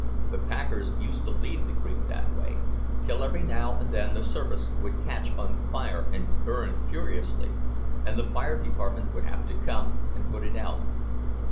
The packers used to leave the creek that way, till every now and then the surface would catch on fire and burn furiously, and the fire department would have to come and put it out.